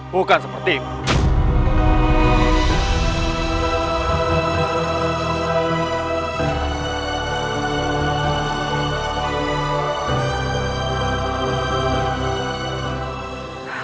bukan seperti itu